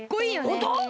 ほんと？